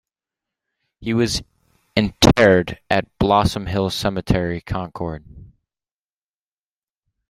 He was interred at Blossom Hill Cemetery, Concord.